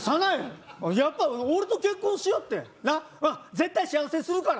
絶対幸せにするから！